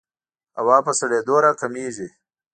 هوا په سړېدو راکمېږي.